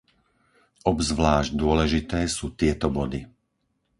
Obzvlášť dôležité sú tieto body.